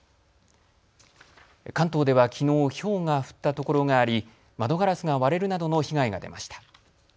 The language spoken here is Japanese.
関東ではきのうのひょうが降ったところがあり窓ガラスが割れるなどの被害が出ました。